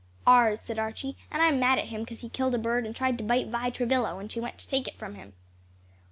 "Ours," said Archie, "and I'm mad at him 'cause he killed a bird and tried to bite Vi Travilla, when she went to take it from him."